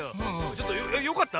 ちょっとえっよかった？